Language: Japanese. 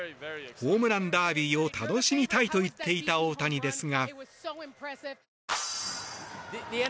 ホームランダービーを楽しみたいと言っていた大谷ですが。